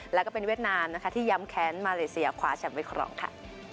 แล้วก็เป็นเวียดนามนะคะที่ย้ำแค้นมาเลเซียคว้าแชมป์ไปครองค่ะ